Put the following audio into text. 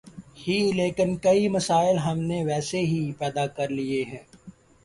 ہی لیکن کئی مسئلے ہم نے ویسے ہی پیدا کر لئے ہیں۔